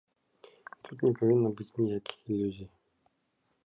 І тут не павінна быць ніякіх ілюзій.